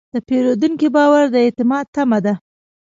د پیرودونکي باور د اعتماد تمه ده.